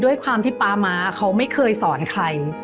ด้วยความที่ป๊าม้าเขาไม่เคยสอนใคร